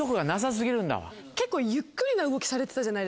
結構ゆっくりな動きされてたじゃないですか。